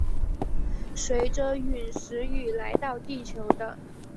随着殒石雨来到地球的。